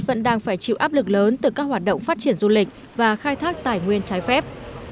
vẫn đang phải chịu áp lực lớn từ các hoạt động phát triển du lịch và khai thác tài nguyên trái phép